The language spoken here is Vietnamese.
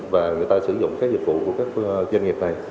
và người ta sử dụng các dịch vụ của các doanh nghiệp này